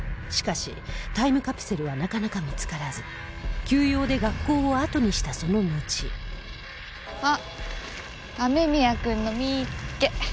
しかしタイムカプセルはなかなか見つからず急用で学校をあとにしたそののちあっ雨宮くんの見っけ！